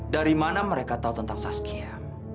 dari mana mereka tahu tentang saskia